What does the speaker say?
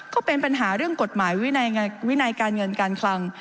ก็เป็นปัญหาเรื่องกฎหมายวินัยการเงินการคลัง